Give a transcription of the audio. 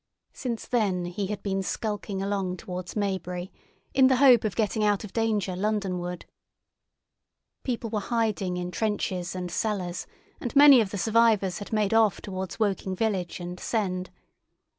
Since then he had been skulking along towards Maybury, in the hope of getting out of danger Londonward. People were hiding in trenches and cellars, and many of the survivors had made off towards Woking village and Send.